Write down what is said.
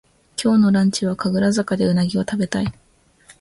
今日のランチは神楽坂でうなぎをたべたい